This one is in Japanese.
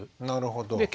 なるほど。